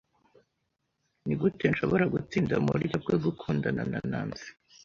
Nigute nshobora gutsinda muburyo bwo gukundana na Nancy?